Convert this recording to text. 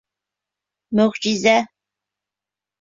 Мөғжизә!